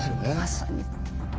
まさに。